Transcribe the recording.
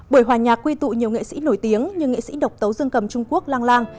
buổi hòa nhạc quy tụ nhiều nghệ sĩ nổi tiếng như nghệ sĩ độc tấu dương cầm trung quốc lang lang